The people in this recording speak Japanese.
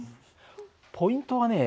ポイントはね